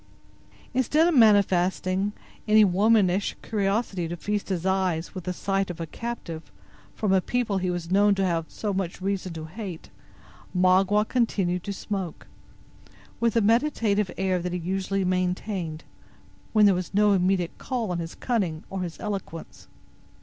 Instead of manifesting any womanish curiosity to feast his eyes with the sight of a captive from a people he was known to have so much reason to hate, Magua continued to smoke, with the meditative air that he usually maintained, when there was no immediate call on his cunning or his eloquence.